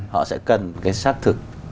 họ sẽ cần cái xác thực